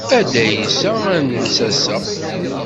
A Dda Ɛisa ad nens ass-a.